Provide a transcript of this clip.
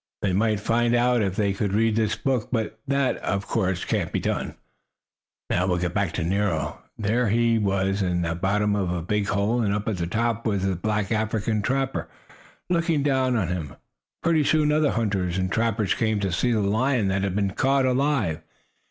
They might find out if they could read this book, but that, of course, can't be done. Now we'll get back to Nero. There he was in the bottom of a big hole, and up at the top was the black African trapper looking down on him. Pretty soon other hunters and trappers came to see the lion that had been caught alive.